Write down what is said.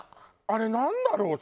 あれなんだろう？